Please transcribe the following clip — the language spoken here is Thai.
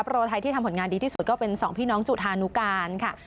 โปรไทยที่ทำผลงานดีที่สุดก็เป็น๒พี่น้องจุฐานุกาลค่ะ